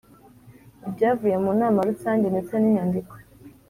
Ibyavuye mu nama rusange ndetse n inyandiko